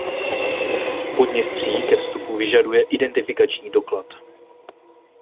Podněstří ke vstupu vyžaduje "identifikační doklad".